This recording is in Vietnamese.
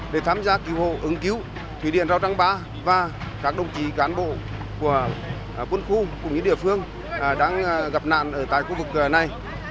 để tham gia cứu hộ ứng cứu thủy điện rào trăng ba và các đồng chí cán bộ của quân khu cũng như địa phương đang gặp nạn ở tại khu vực này